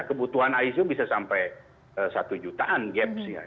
kebutuhan icu bisa sampai satu jutaan gap sih